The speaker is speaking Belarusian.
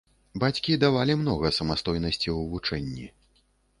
Бацькі давалі многа самастойнасці ў вучэнні.